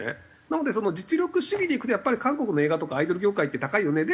なのでその実力主義でいくとやっぱり韓国の映画とかアイドル業界って高いよね。